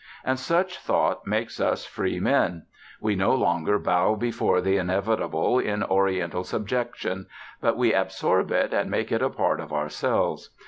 And such thought makes us free men; we no longer bow before the inevitable in Oriental subjection, but we absorb it, and make it a part of ourselves.